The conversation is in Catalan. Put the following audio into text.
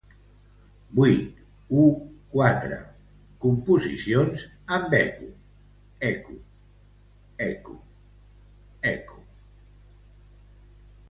Vuit.u.quatre. composicions amb eco —eco eco eco...